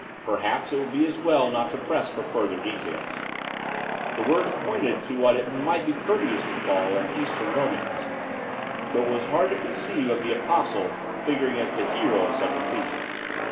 Perhaps it would be as well not to press for further details. The words pointed to what it might be courteous to call an Eastern Romance, though it was hard to conceive of the Apostle figuring as the hero of such a theme.